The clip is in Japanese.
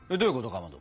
かまど。